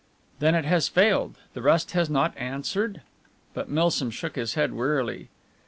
"Then it has failed! The rust has not answered ?" But Milsom shook his head wearily.